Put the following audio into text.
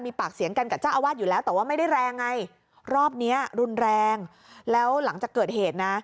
มีปากเสียงกันกับเจ้าอาวาสอยู่แล้วแต่ว่าไม่ได้แรงไงรอบเนี้ยรุนแรงแล้วหลังจากเกิดเหตุนะ